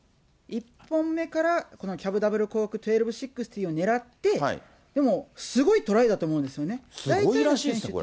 １本目からこのキャブダブルコーク１２６０をねらって、でもすごいトライだと思うんですよね。